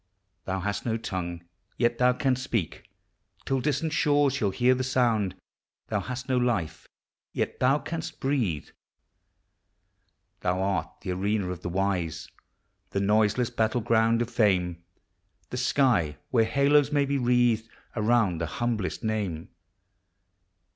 Thou hast no tongue, yet thou canst speak, Till distant shores shall hear the sound; Thou hast no life, yet thou canst breathe Fresh life on all around. Thou art the arena of the wise, The noiseless battle ground of fame; The sky where halos may be wreathed Around the humblest name.